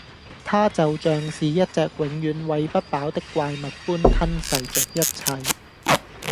它就像是一隻永遠餵不飽的怪物般吞噬著一切